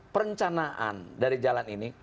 perencanaan dari jalan ini